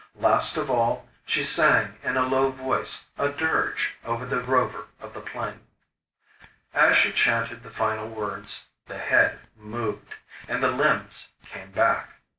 Last of all, she sang in a low voice a dirge over the Rover of the Plain. As she chanted the final words the head moved, and the limbs came back.